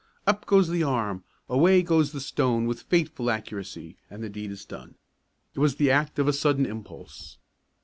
Up goes the arm, away goes the stone with fateful accuracy and the deed is done. It was the act of a sudden impulse.